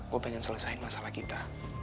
gue pengen selesaikan masalah kita